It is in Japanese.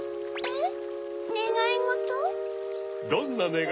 えっ？